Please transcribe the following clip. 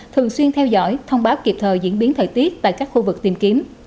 thường xuyên theo dõi thông báo kịp thời diễn biến thời tiết tại các khu vực tìm kiếm